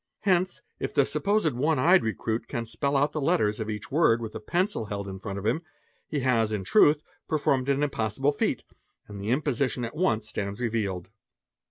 tence, if the supposed one eyed 'recruit can spell out the letters of each "word with a pencil held in front of him, he has in truth performed an im possible feat, and the imposition at once stands revealed."